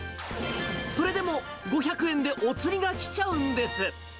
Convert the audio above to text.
それでも５００円でお釣りが来ちゃうんです。